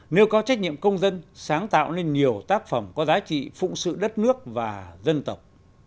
nêu cao trách nhiệm công dân sáng tạo nên nhiều tác phẩm có giá trị phụng sự đất nước và dân tộc